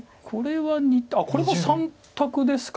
これは３択ですか。